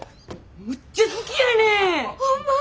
むっちゃ好きやねん！ホンマ！？